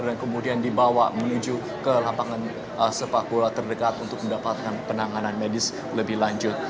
dan kemudian dibawa menuju ke lapangan sepak bola terdekat untuk mendapatkan penanganan medis lebih lanjut